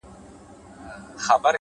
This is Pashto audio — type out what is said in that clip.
پوه انسان د ناپوهۍ منلو جرئت لري’